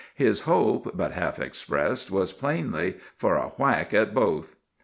His hope, but half expressed, was plainly for a 'whack at both.